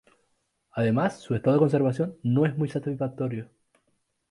Además su estado de conservación no es muy satisfactorio.